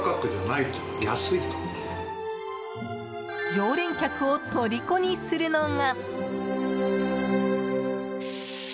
常連客をとりこにするのが。